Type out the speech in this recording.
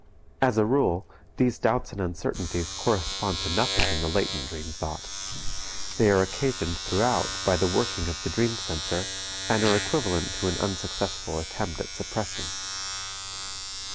As a rule these doubts and uncertainties correspond to nothing in the latent dream thought; they are occasioned throughout by the working of the dream censor and are equivalent to an unsuccessful attempt at suppression.